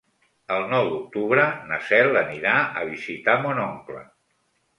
El nou d'octubre na Cel anirà a visitar mon oncle.